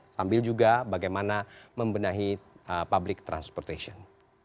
sambil juga bagaimana membenahi public transportation